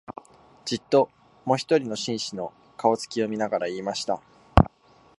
じっと、もひとりの紳士の、顔つきを見ながら言いました